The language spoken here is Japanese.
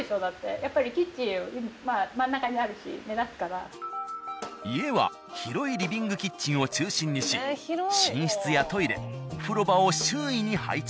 やっぱり家は広いリビングキッチンを中心にし寝室やトイレお風呂場を周囲に配置。